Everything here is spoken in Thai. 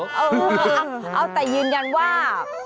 เอาแต่ยืนยันว่า